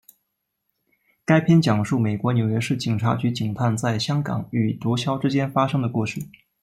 该片讲述美国纽约市警察局警探在香港与毒枭之间发生的故事。